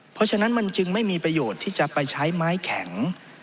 เพราะฉะนั้นมันจึงไม่มีประโยชน์ที่จะไปใช้ไม้แข็ง